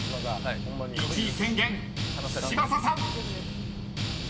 １位宣言嶋佐さん］